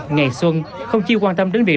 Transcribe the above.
ngày xuân không chiêu quan tâm đến việc